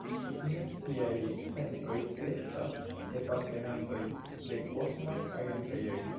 Kutime tiaj centroj estas departementoj de kosmaj agentejoj.